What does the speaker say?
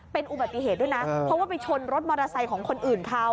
เป็นอุบัติเหตุด้วยนะเพราะว่าไปชนรถมอเตอร์ไซค์ของคนอื่นเขา